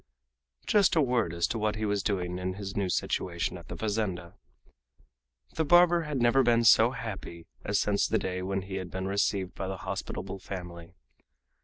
Just a word as to what he was doing in his new situation at the fazenda. The barber had never been so happy as since the day when he had been received by the hospitable family.